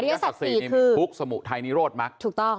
อริยสัตว์๔คือทุกข์สมุทัยนิโรธมัก